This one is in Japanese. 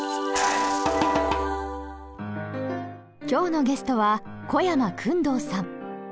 今日のゲストは小山薫堂さん。